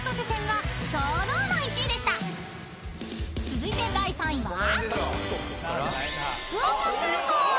［続いて第３位は？］